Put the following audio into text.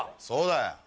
そうだよ